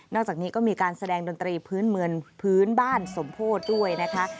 นอกจากนี้ก็มีการแสดงดนตรีพื้นบ้านสมโพธิด้วยนะคะ